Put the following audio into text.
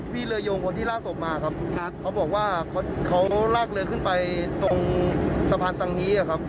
เรือยงคนที่ลากศพมาครับเขาบอกว่าเขาลากเรือขึ้นไปตรงสะพานสังฮีอะครับ